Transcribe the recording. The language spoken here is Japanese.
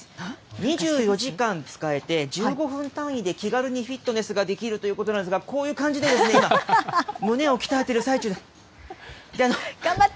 ２４時間使えて、１５分単位で気軽にフィットネスができるということなんですが、こういう感じで今、頑張って。